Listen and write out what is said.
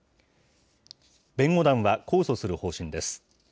弁護団は控訴する方針です。